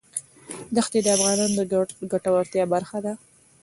دښتې د افغانانو د ګټورتیا برخه ده.